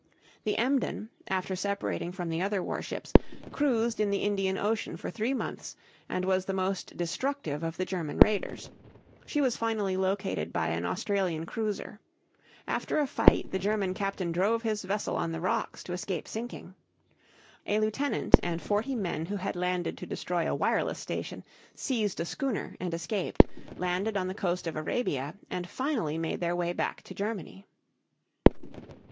The "Emden," after separating from the other warships, cruised in the Indian Ocean for three months, and was the most destructive of the German raiders. She was finally located by an Australian cruiser. After a fight the German captain drove his vessel on the rocks to escape sinking. A lieutenant and forty men who had landed to destroy a wireless station, seized a schooner and escaped, landed on the coast of Arabia, and finally made their way back to Germany.